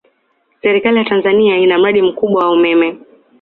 Serikali ya Tanzania ina mradi mkubwa wa umeme